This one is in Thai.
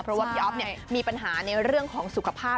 เพราะว่าพี่อ๊อฟมีปัญหาในเรื่องของสุขภาพ